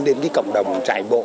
đến cộng đồng trải bộ